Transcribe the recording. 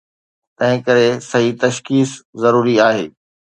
تنهن ڪري، صحيح تشخيص ضروري آهي.